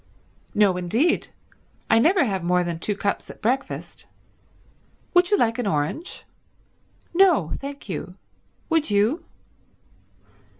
"No indeed. I never have more than two cups at breakfast. Would you like an orange?" "No thank you. Would you?"